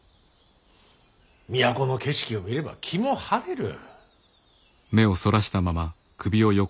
都の景色を見れば気も晴れる。